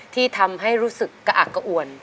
ที่ทำให้รู้สึกกระอักกระอวน